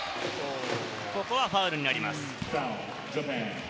ここはファウルになります。